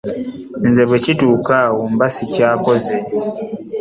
Nze bwe kituuka awo mba ssikyakoze.